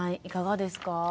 いかがですか？